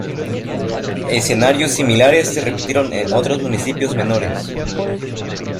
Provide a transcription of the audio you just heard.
Escenarios similares se repitieron en otros municipios menores.